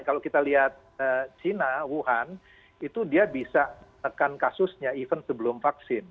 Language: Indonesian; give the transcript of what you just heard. kalau kita lihat china wuhan itu dia bisa menekan kasusnya even sebelum vaksin